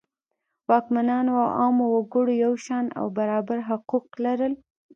واکمنانو او عامو وګړو یو شان او برابر حقوق لرل.